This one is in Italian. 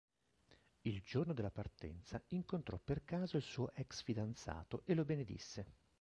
Il giorno della partenza incontrò per caso il suo ex-fidanzato e lo benedisse.